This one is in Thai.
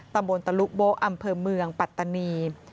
ตำบลตะลุโบ๊ะอำเภอเมืองปัตตานี